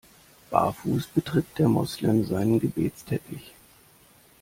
Barfuß betritt der Moslem seinen Gebetsteppich.